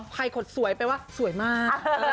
ใครขดสวยไปว่าสวยมาก